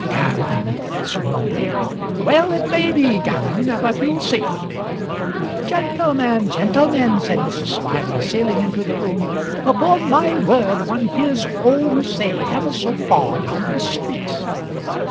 "Gammon!" answered Moulder. "Well, it may be gammon; but you'll see." "Gentlemen, gentlemen!" said Mrs. Smiley, sailing into the room; "upon my word one hears all you say ever so far down the street."